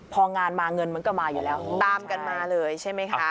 พองานมาเงินมันก็มาอยู่แล้วตามกันมาเลยใช่ไหมคะ